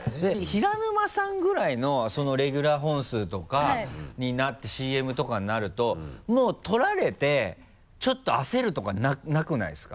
平沼さんぐらいのレギュラー本数とかＣＭとかになるともう取られてちょっと焦るとかなくないですか？